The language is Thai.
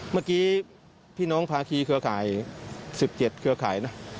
เมื่อกี้พี่น้องภาคีเครือข่าย๑๗เครือข่ายนะ